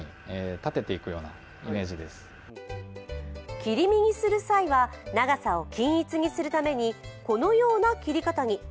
切り身にする際は長さを均一にするために、このような切り方に。